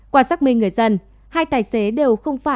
qua xác minh người dân